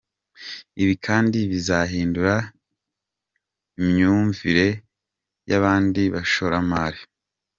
Ibi kandi bizahindura imyumvire y’abandi bashoramari.